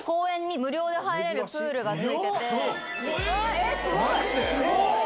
え⁉マジで？